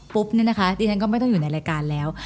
ปุ๊บนี่นะคะดิฉันก็ไม่ต้องอยู่ในรายการแล้ว